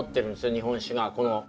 日本酒がこの。